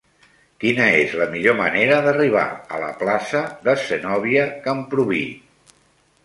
Quina és la millor manera d'arribar a la plaça de Zenòbia Camprubí?